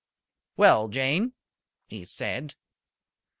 "Well, Jane," he said.